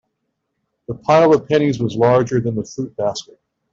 The pile of pennies was larger than the fruit basket.